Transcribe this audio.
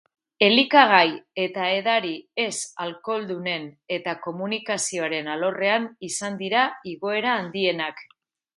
Elikagai eta edari ez alkoholdunen eta komunikazioen alorrean izan dira igoera handienak.